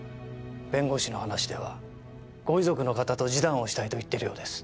弁護士の話ではご遺族の方と示談をしたいと言っているようです。